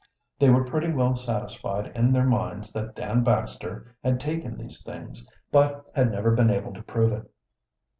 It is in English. They were pretty well satisfied in their minds that Dan Baxter had taken these things, but had never been able to prove it.